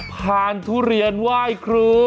ทานทุเรียนไหว้ครู